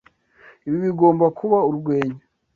Ibi bigomba kuba urwenya